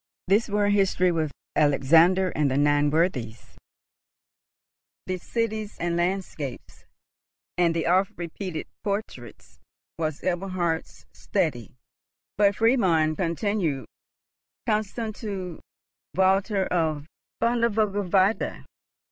This World History, with Alexander and the Nine Worthies, the cities and landscapes, and the oft repeated portraits, was Eberhard's study; but Friedmund continued—constant to Walther of Vögelweide.